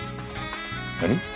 何？